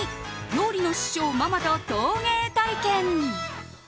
料理の師匠ママと陶芸体験。